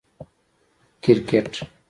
🏏 کرکټ